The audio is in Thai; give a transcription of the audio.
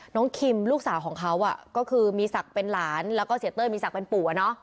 คิมลูกสาวของเขาก็คือมีศักดิ์เป็นหลานแล้วก็เสียเต้ยมีศักดิ์เป็นปู่